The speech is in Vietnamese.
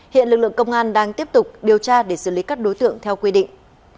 hiện lực lượng công an đang tiếp tục điều tra để xử lý các đối tượng theo quy định